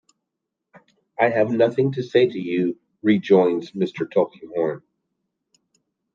"I have nothing to say to you," rejoins Mr. Tulkinghorn.